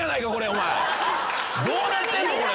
どうなってんのこれ。